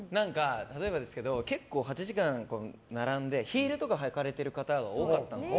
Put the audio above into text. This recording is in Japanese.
例えばですけど、８時間並んでヒールとか履かれてる方が多かったんです。